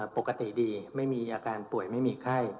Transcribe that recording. ปกติดีไม่มีอาการป่วยไม่มีไข้